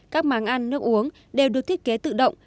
các máng ăn nước uống đều được thiết kế tự động